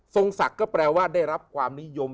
ศักดิ์ก็แปลว่าได้รับความนิยม